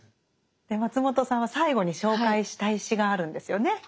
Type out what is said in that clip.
で松本さんは最後に紹介したい詩があるんですよね。